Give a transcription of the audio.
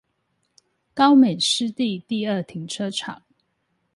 高美濕地第二停車場